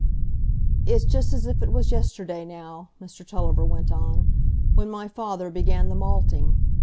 "It's just as if it was yesterday, now," Mr Tulliver went on, "when my father began the malting.